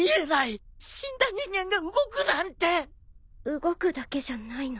動くだけじゃないの。